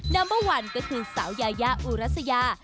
ัมเบอร์วันก็คือสาวยายาอุรัสยา